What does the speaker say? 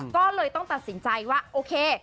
ก็เลยต้องตัดสินใจว่าโอเค